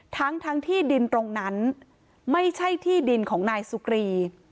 ทั้งทั้งที่ดินตรงนั้นไม่ใช่ที่ดินของนายสุกรี